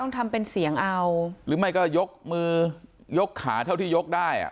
ทำเป็นเสียงเอาหรือไม่ก็ยกมือยกขาเท่าที่ยกได้อ่ะ